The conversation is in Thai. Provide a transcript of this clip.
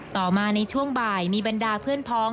ต่อมาในช่วงบ่ายมีบรรดาเพื่อนพ้อง